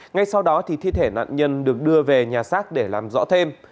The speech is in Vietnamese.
ngay sau đó thì thi thể nạn nhân được đưa về nhà xác để làm rõ thêm